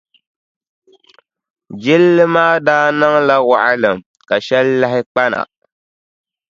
Jilli maa daa niŋla waɣilim ka shɛli lahi kpa na.